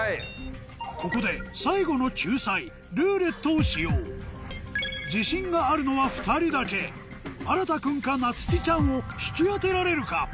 ここで最後の救済「ルーレット」を使用自信があるのは２人だけあらた君かなつきちゃんを引き当てられるか？